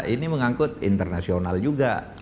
ini mengangkut internasional juga